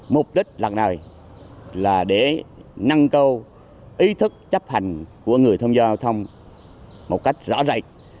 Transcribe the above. mục đích là nơi là để năng cầu ý thức chấp hành của người thông giao giao thông một cách rõ ràng